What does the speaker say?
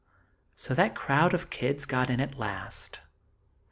So that crowd of kids got in, at last!